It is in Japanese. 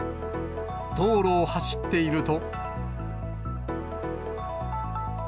道路を走っていると。